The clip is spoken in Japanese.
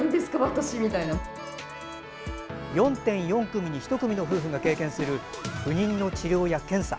４．４組に１組の夫婦が経験する、不妊の治療や検査。